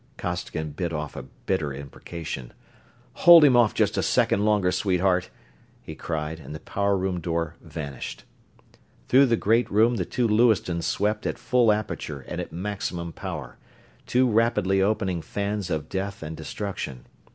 Costigan bit off a bitter imprecation. "Hold him just a second longer, sweetheart!" he cried, and the power room door vanished. Through the great room the two Lewistons swept at full aperture and at maximum power, two rapidly opening fans of death and destruction.